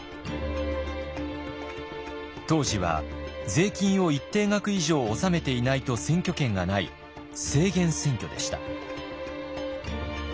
当時は税金を一定額以上納めていないと選挙権がない制限選挙でした。